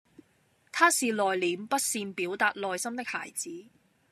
他是內歛、不善表逹內心的孩子